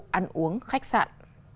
bộ ăn uống khách sạn